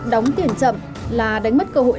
đóng tiền chậm là đánh mất cơ hội